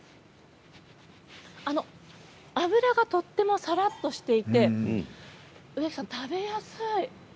脂がとてもさらっとしていて植木さん、食べやすい。